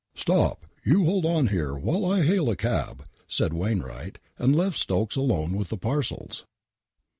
" Stop ! You hold on here while I hail a cab," said Wain wright, and left Stokes alone with the parcels.